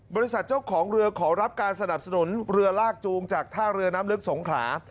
บริษัทเจ้าของเรือขอรับการสนับสนุนเรือลากจูงจากท่าเรือน้ำลึกสงขลา